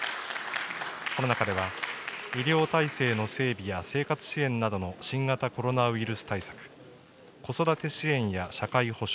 この中では、医療体制の整備や、生活支援などの新型コロナウイルス対策、子育て支援や社会保障。